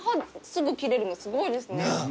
すぐ切れるのすごいですね。